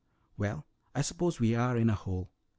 "Well, I suppose we are in a hole."